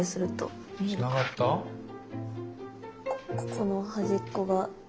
ここの端っこが。